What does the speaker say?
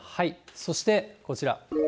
そしてこちら。